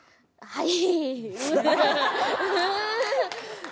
はい。